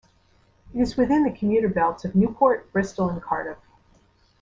It is within the commuter belts of Newport, Bristol and Cardiff.